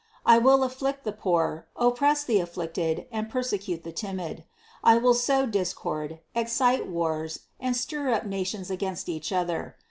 I will afflict the poor, oppress the afflicted, and persecute the timid. I will sow discord, excite wars, and stir up nations against each other.